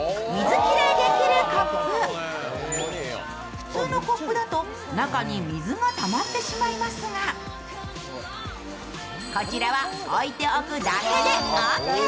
普通のコップだと中に水がたまってしまいますがこちらは置いておくだけでオーケー。